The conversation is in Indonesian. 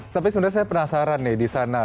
tapi sebenarnya saya penasaran nih di sana